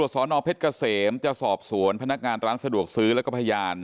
สนเพชรเกษมจะสอบสวนพนักงานร้านสะดวกซื้อแล้วก็พยาน